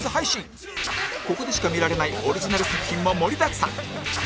ここでしか見られないオリジナル作品も盛りだくさん